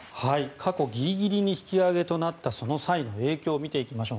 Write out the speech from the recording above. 過去ギリギリの引き上げとなったその際の影響を見ていきましょう。